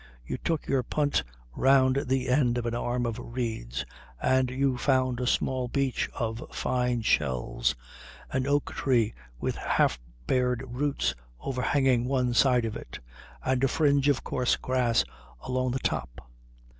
You took your punt round the end of an arm of reeds, and you found a small beach of fine shells, an oak tree with half bared roots overhanging one side of it, and a fringe of coarse grass along the top.